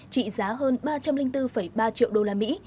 trị giá hơn ba trăm linh bốn ba triệu đô la mỹ